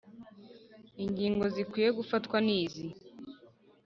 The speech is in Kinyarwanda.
ingingo zikwiye gufatwa nizi